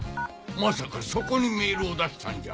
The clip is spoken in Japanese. まさかそこにメールを出したんじゃ。